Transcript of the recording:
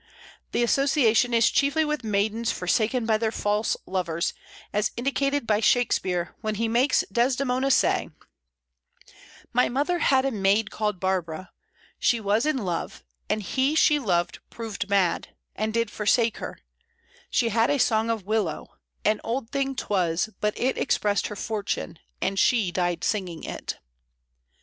The association is chiefly with maidens forsaken by their false lovers, as indicated by Shakespeare when he makes Desdemona say "My mother had a maid called Barbara: She was in love; and he she loved proved mad, And did forsake her; she had a song of 'Willow'; An old thing 'twas, but it expressed her fortune, And she died singing it."